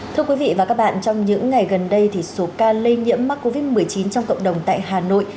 thưa quý vị và các bạn trong những ngày gần đây thì số ca lây nhiễm covid một mươi chín trong cộng đồng tại hà nội